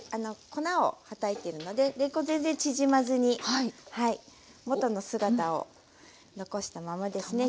粉をはたいているのでれんこん全然縮まずに元の姿を残したままですね。